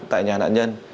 tại nhà nạn nhân